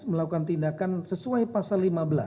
melakukan tindakan sesuai pasal lima belas